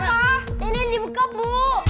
nenek dibuka bu